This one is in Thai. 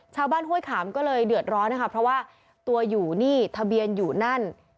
ห้วยขามก็เลยเดือดร้อนนะคะเพราะว่าตัวอยู่นี่ทะเบียนอยู่นั่น